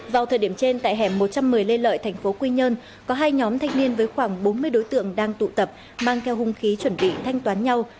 vào thời điểm trên tại hẻm một trăm một mươi lê lợi thành phố quy nhơn có hai nhóm thanh niên với khoảng bốn mươi đối tượng đang tụ tập mang theo hung khí chuẩn bị thanh toán nhau